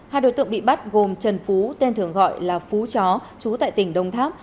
hai đối tượng bị bắt gồm trần phú tên thường gọi là phú chó chú tại tỉnh đông tháp